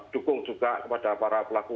dukung juga kepada para pelaku